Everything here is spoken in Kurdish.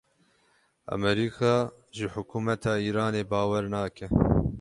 Amerîka ji hikûmeta Îranê bawer nake.